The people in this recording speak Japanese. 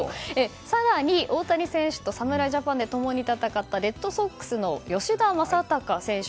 更に大谷選手と侍ジャパンで共に戦ったレッドソックスの吉田正尚選手。